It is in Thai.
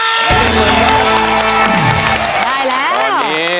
ได้แล้ว